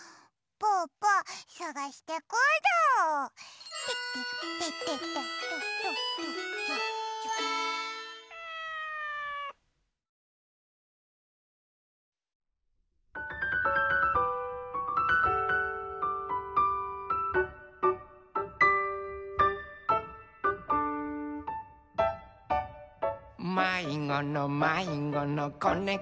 「まいごのまいごのこねこちゃん」